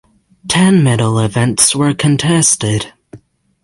Ten medal events were contested.